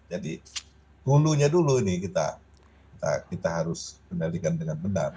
jadi ulunya dulu nih kita harus menelitkan dengan benar